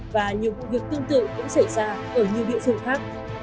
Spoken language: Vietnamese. và nhiều vụ việc tương tự cũng xảy ra ở nhiều địa phương khác